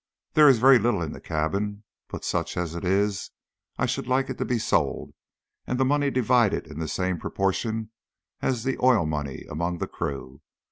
There is very little in the cabin, but such as it is I should like it to be sold, and the money divided in the same proportion as the oil money among the crew.